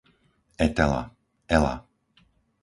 Etela, Ela